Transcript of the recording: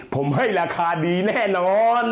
ผมให้ราคาดีแน่นอน